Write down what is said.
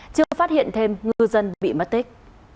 chưa phát hiện thêm ngư dân bị mất tích